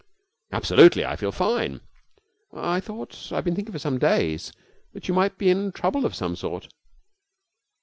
'Absolutely. I feel fine.' 'I thought I've been thinking for some days that you might be in trouble of some sort.'